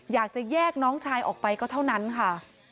อยากจะแยกน้องชายออกไปก็เท่านั้นค่ะ